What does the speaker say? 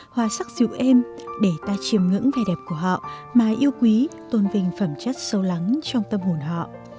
hoa sắc dịu êm để ta chiềm ngưỡng về đẹp của họ mà yêu quý tôn vinh phẩm chất sâu lắng trong tâm hồn họ